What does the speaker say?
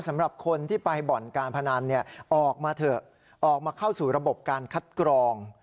สำหรับคนที่ไปบ่อนการพนันออกมาเถอะออกมาเข้าสู่ระบบการคัดกรอง